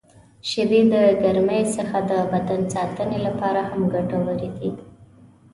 • شیدې د ګرمۍ څخه د بدن ساتنې لپاره هم ګټورې دي.